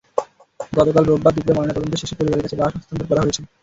গতকাল বোরবার দুপুরে ময়নাতদন্ত শেষে পরিবারের কাছে লাশ হস্তান্তর করা হয়েছে।